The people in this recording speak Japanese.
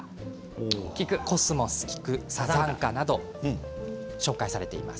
コスモス、菊、サザンカなど紹介されています。